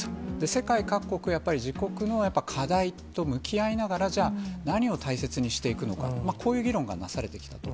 世界各国、やっぱり自国の課題と向き合いながら、じゃあ、何を大切にしていくのか、こういう議論がなされてきたと。